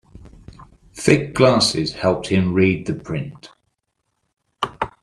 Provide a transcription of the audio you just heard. Thick glasses helped him read the print.